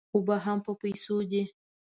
اوبه هم په پیسو دي.